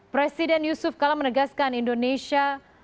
presiden yusuf kala menegaskan indonesia